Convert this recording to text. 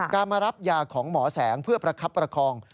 มารับยาของหมอแสงเพื่อประคับประคอง